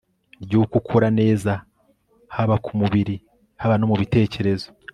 ry'uko ukura neza haba ku mubiri haba no mubitekerezo